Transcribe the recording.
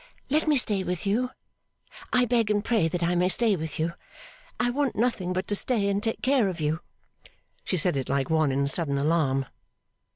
Let me stay with you. I beg and pray that I may stay with you! I want nothing but to stay and take care of you!' She said it like one in sudden alarm.